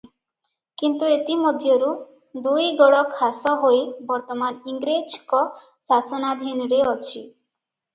କିନ୍ତୁ ଏଥି ମଧ୍ୟରୁ ଦୁଇ ଗଡ଼ ଖାସ ହୋଇ ବର୍ତ୍ତମାନ ଇଂରେଜଙ୍କ ଶାସନାଧୀନରେ ଅଛି ।